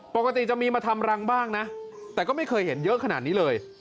ปกติจะมีมาทำรังบ้างนะแต่ก็ไม่เคยเห็นเยอะขนาดนี้เลย